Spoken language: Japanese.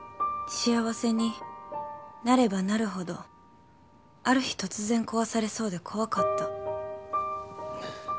幸せになればなるほどある日突然壊されそうで怖かった